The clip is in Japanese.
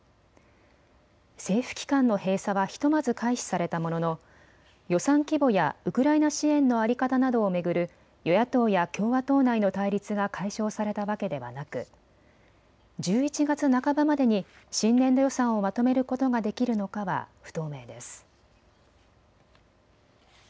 政府機関の閉鎖はひとまず回避されたものの、予算規模やウクライナ支援の在り方などを巡る与野党や共和党内の対立が解消されたわけではなく１１月半ばまでに新年度予算をまとめることができるのかは不透明です。